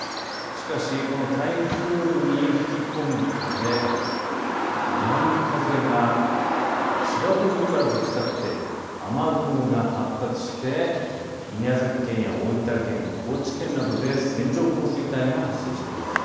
しかし、この台風に吹き込む風、南風が違う方向からぶつかって雨雲が発達して宮崎県や大分県、高知県などで線状降水帯が発生しています。